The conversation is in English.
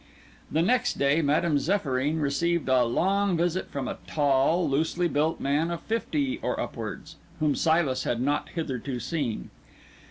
That next day Madame Zéphyrine received a long visit from a tall, loosely built man of fifty or upwards, whom Silas had not hitherto seen.